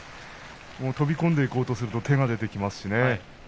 飛び込んでいこうとすると手が出てきますね。